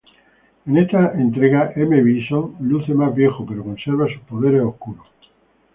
En esta entrega M. Bison luce más viejo pero conserva sus poderes oscuros.